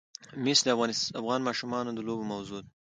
مس د افغان ماشومانو د لوبو موضوع ده.